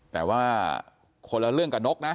แต่ว่าคนละเรื่องกับนกนะ